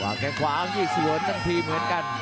วางแข่งขวาอังยือส่วนทั้งทีเหมือนกัน